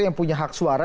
yang punya hak suara